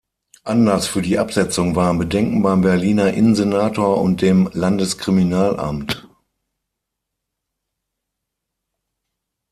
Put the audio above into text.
Anlass für die Absetzung waren Bedenken beim Berliner Innensenator und dem Landeskriminalamt.